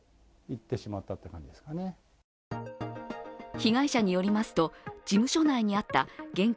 被害者によりますと事務所内にあった現金